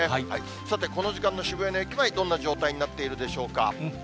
さて、この時間の渋谷の駅前、どんな状態になっているでしょうか。